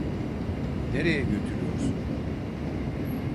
Nereye götürüyorsun?